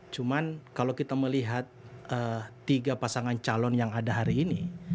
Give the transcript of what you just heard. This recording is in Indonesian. cuman kalau kita melihat tiga pasangan calon yang ada hari ini